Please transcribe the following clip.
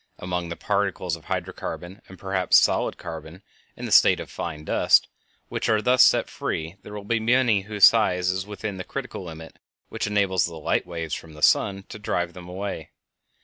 Among the particles of hydro carbon, and perhaps solid carbon in the state of fine dust, which are thus set free there will be many whose size is within the critical limit which enables the light waves from the sun to drive them away.